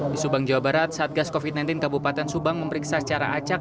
di subang jawa barat satgas covid sembilan belas kabupaten subang memeriksa secara acak